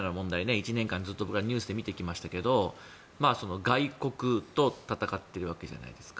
１年間ずっとニュースで見てきましたが外国と戦ってるわけじゃないですか。